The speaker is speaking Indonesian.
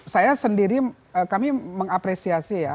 saya sendiri kami mengapresiasi ya